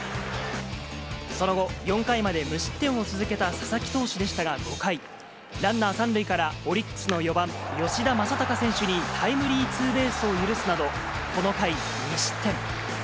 その後、４回まで無失点を続けた佐々木投手でしたが、５回、ランナー３塁から、オリックスの４番吉田正尚選手にタイムリーツーベースを許すなど、この回、２失点。